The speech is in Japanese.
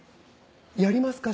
やりますか？